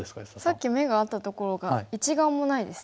さっき眼があったところが一眼もないですね。